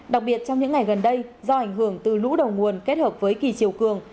đặc biệt trong những ngày gần đây do ảnh hưởng từ lũ đầu nguồn kết hợp với kỳ chiều cường